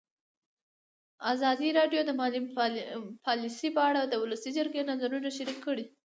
ازادي راډیو د مالي پالیسي په اړه د ولسي جرګې نظرونه شریک کړي.